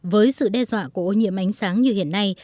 với sự đe dọa của ô nhiễm ánh sáng như hiện nay